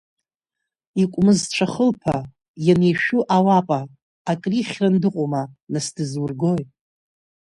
Икәмызцәа хылԥа, ианишәу аупа, акры ихьраны дыҟоума, нас дызургои?